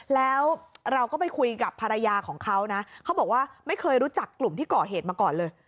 แล้วเราก็ไปคุยกับภรรยาของเขานะเขาบอกว่าไม่เคยรู้จักกลุ่มที่ก่อเหตุมาก่อนเลย